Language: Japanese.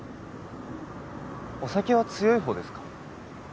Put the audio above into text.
お酒は強い方ですか？